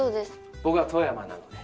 僕は富山なので。